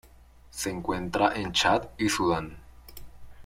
Se encuentra en Chad y Sudán.